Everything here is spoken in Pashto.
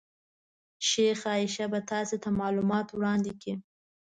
شیخه عایشه به تاسې ته معلومات وړاندې کړي.